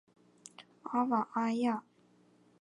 阿法埃娅。